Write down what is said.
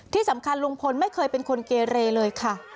ที่สำคัญลุงพลไม่เคยเป็นคนเกเรเลยค่ะ